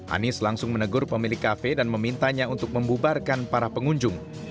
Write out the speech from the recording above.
anies langsung menegur pemilik kafe dan memintanya untuk membubarkan para pengunjung